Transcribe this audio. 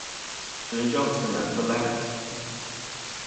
Sfɨ jof sɨ nà kfɨla.